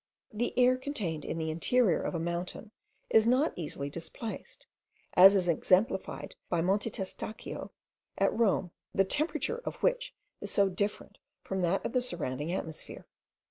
The air contained in the interior of a mountain is not easily displaced, as is exemplified by Monte Testaccio at Rome, the temperature of which is so different from that of the surrounding atmosphere.